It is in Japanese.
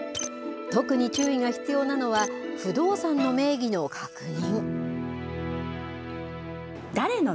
特に注意が必要なのは、不動産の名義の確認。